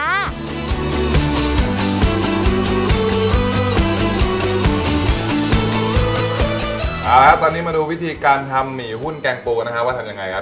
เอาละตอนนี้มาดูวิธีการทำหมี่หุ้นแกงปูกันนะฮะว่าทำยังไงครับ